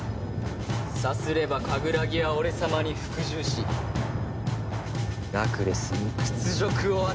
さすればカグラギは俺様に服従しラクレスに屈辱を与えられる！